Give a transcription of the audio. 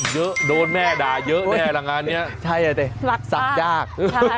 เยอะโดนแม่ด่าเยอะแน่ละงานนี้ใช่เลยเตะสักยาก